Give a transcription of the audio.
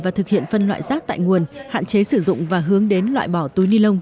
và thực hiện phân loại rác tại nguồn hạn chế sử dụng và hướng đến loại bỏ túi ni lông